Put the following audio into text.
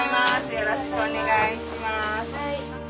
よろしくお願いします。